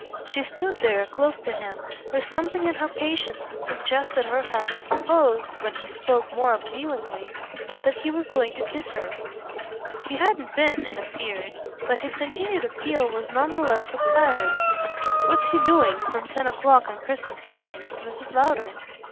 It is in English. She stood there close to him, with something in her patience that suggested her having supposed, when he spoke more appealingly, that he was going to kiss her. He hadn't been, it appeared; but his continued appeal was none the less the quieter. "What's he doing, from ten o'clock on Christmas morning, with Mrs. Lowder?"